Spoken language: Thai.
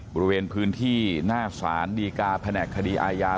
บริเวณพื้นที่หน้าศาลดีกาแผนกคดีอาญา